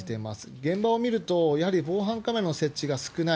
現場を見ると、やはり防犯カメラの設置が少ない。